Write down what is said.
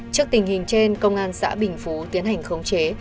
trước tình hình trên công an xã bình phú tiến hành khống chế